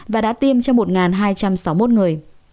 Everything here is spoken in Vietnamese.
và đã tiêm cho một hai trăm sáu mươi một người